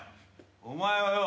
お前はよ